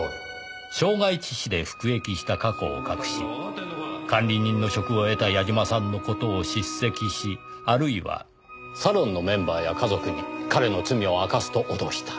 傷害致死で服役した過去を隠し管理人の職を得た矢嶋さんの事を叱責しあるいはサロンのメンバーや家族に彼の罪を明かすと脅した。